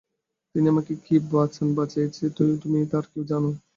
তিনি আমাকে কী-বাঁচান বাঁচাইয়াছেন তুমি তার কী জান?